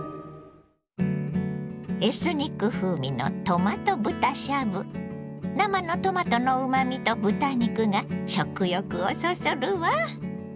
エスニック風味の生のトマトのうまみと豚肉が食欲をそそるわ。